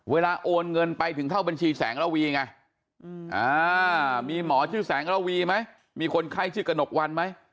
โอนเงินไปถึงเข้าบัญชีแสงระวีไงมีหมอชื่อแสงระวีไหมมีคนไข้ชื่อกระหนกวันไหม